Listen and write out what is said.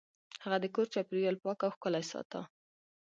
هغه د کور چاپیریال پاک او ښکلی ساته.